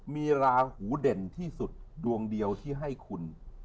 มีราหูเด่นที่สุดดวงเดียวที่ให้คุณ